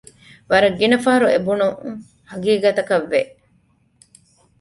ވަރަށް ގިނަ ފަހަރު އެބުނުން ހަގީގަތަކަށް ވެ